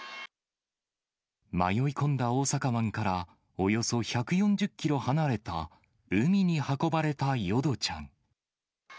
迷い込んだ大阪湾からおよそ１４０キロ離れた海に運ばれた淀ちゃん。